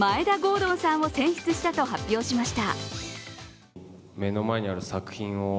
敦を選出したと発表しました。